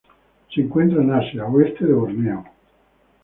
Se encuentran en Asia: oeste de Borneo.